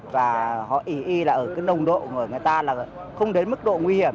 và họ ý y là ở cái nồng độ của người ta là không đến mức độ nguy hiểm